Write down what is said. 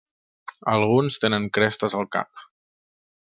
Alguns tenen crestes al cap.